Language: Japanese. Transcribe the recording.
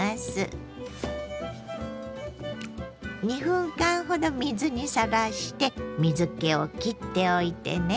２分間ほど水にさらして水けをきっておいてね。